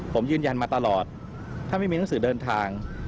ผมยืนยันมาตลอดถ้าไม่มีหนังสือเดินทาง